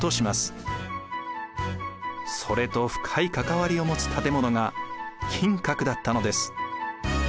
それと深い関わりを持つ建物が金閣だったのです。